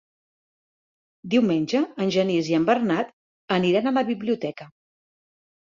Diumenge en Genís i en Bernat aniran a la biblioteca.